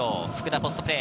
ポストプレー。